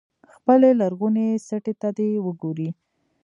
خپلې لرغونې سټې ته دې وګوري.